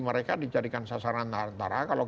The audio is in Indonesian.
mereka dijadikan sasaran antara kalau